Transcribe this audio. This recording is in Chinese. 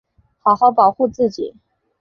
好好保护自己